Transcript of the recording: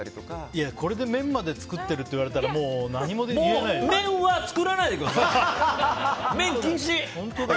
いや、これで麺まで作ってるって言われたら麺は作らないでください！